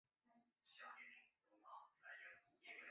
西安满城是清代西安城内的八旗驻防城。